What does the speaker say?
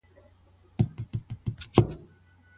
که خاوند او ميرمن سره موافق سي څه پېښيږي؟